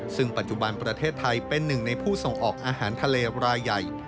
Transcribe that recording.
ซึ่งปัจจุบันประเทศไทยเป็นหนึ่งในผู้ส่งออกอาหารทะเลรายใหญ่